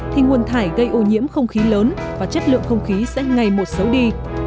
thì nguồn thải gây ô nhiễm không khí lớn và chất lượng không khí sẽ ngày một xấu đi